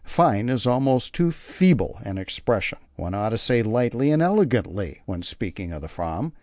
'Fine' is almost too feeble an expression; one ought to say 'lightly and elegantly' when speaking of the Fram